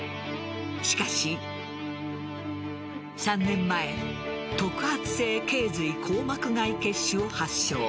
しかし３年前特発性頸髄硬膜外血腫を発症。